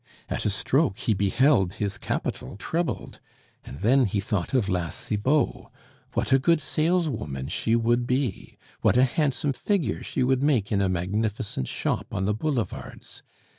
At a stroke he beheld his capital trebled; and then he thought of La Cibot. What a good saleswoman she would be! What a handsome figure she would make in a magnificent shop on the boulevards!